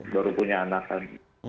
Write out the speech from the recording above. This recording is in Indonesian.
baru punya anak kan